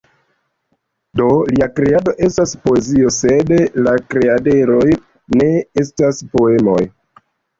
Do, lia kreado estas poezio, sed la kreaderoj ne estas poemoj!